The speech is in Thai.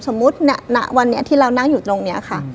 ณวันนี้ที่เรานั่งอยู่ตรงนี้ค่ะ